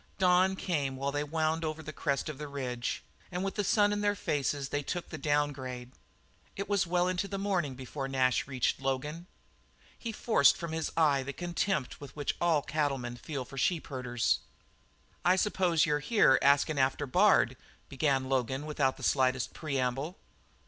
Dawn came while they wound over the crest of the range, and with the sun in their faces they took the downgrade. It was well into the morning before Nash reached Logan. He forced from his eye the contempt which all cattlemen feel for sheepherders. "I s'pose you're here askin' after Bard?" began Logan without the slightest prelude.